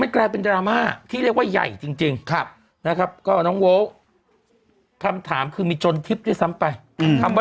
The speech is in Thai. เก็บนิดหน่อยนะครับนะครับ